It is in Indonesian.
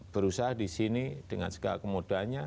berusaha di sini dengan segala kemudahannya